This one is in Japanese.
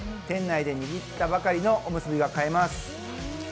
店内で握ったばかりのおむすびが買えます。